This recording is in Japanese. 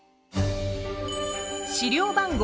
資料番号